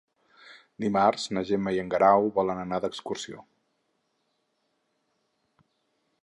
Dimarts na Gemma i en Guerau volen anar d'excursió.